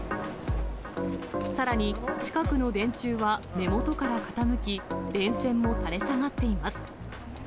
さらに、近くの電柱は根元から傾き、電線も垂れ下がっています。